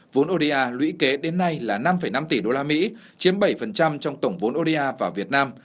vốn oda lũy kế đến nay là năm năm tỷ usd chiếm bảy trong tổng vốn oda vào việt nam